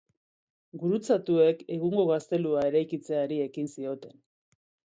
Gurutzatuek egungo gaztelua eraikitzeari ekin zioten.